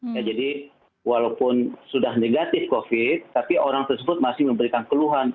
ya jadi walaupun sudah negatif covid tapi orang tersebut masih memberikan keluhan